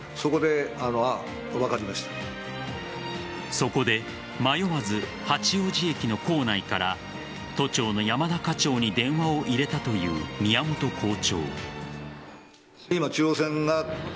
そこで迷わず八王子駅の構内から都庁の山田課長に電話を入れたという宮本校長。